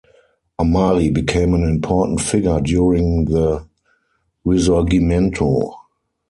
Amari became an important figure during the Risorgimento.